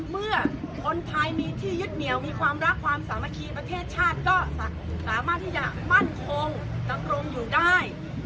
เมื่อคนไทยมีที่ยึดเหนียวมีความรักความสามัคคีประเทศชาติก็สามารถที่จะมั่นคงดำรงอยู่ได้